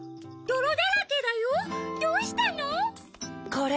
これ。